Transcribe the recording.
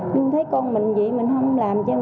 nhưng thấy con mình vậy mình không làm cho